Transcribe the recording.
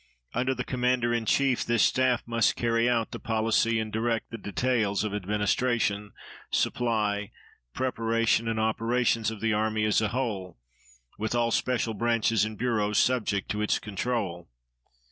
Under the Commander in Chief, this staff must carry out the policy and direct the details of administration, supply, preparation, and operations of the army as a whole, with all special branches and bureaus subject to its control.